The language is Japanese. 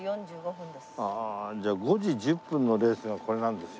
ああじゃあ５時１０分のレースがこれなんですよ。